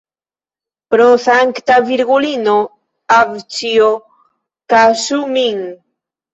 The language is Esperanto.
Pro Sankta Virgulino, avĉjo, kaŝu min!